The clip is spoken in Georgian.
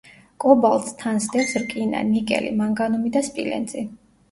კობალტს თან სდევს რკინა, ნიკელი, მანგანუმი და სპილენძი.